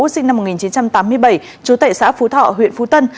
sinh năm một nghìn chín trăm tám mươi bảy chú tệ xã phú thọ huyện phú tân